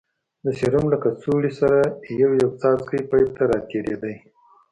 د سيروم له کڅوړې څخه يو يو څاڅکى پيپ ته راتېرېده.